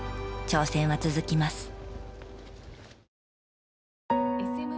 挑戦は続きます。